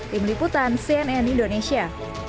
tim liputan cnn indonesia